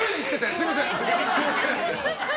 すみません！